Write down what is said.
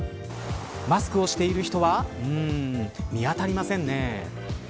マスクをしている人は見当たりませんね。